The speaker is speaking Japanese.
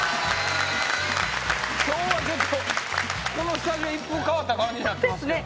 今日はちょっとこのスタジオ一風変わった感じになってますけど。